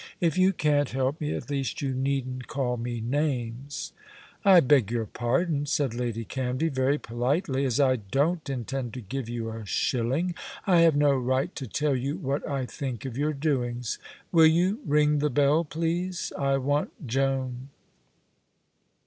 If you can't help me, at least you needn't call me names." "I beg your pardon," said Lady Canvey, very politely. "As I don't intend to give you a shilling, I have no right to tell you what I think of your doings. Will you ring the bell, please? I want Joan."